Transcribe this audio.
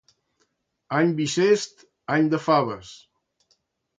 Any bixest, any de faves.